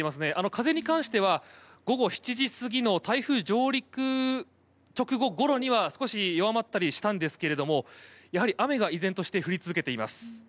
風に関しては午後７時過ぎの台風上陸直後ごろには少し弱まったりしたんですがやはり雨が依然として降り続けています。